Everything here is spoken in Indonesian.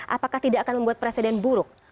apakah tidak akan membuat presiden buruk